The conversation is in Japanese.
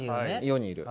世にいる。